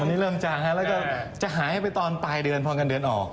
ตอนนี้เริ่มจางแล้วก็จะหายไปตอนปลายเดือนพอเงินเดือนออก